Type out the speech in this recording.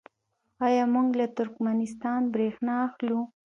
آیا موږ له ترکمنستان بریښنا اخلو؟